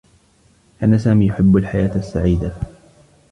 كان سامي يحبّ الحياة السّعيدة.